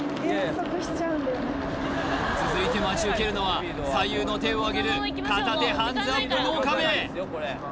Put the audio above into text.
続いて待ち受けるのは左右の手をあげる片手ハンズアップ脳かべ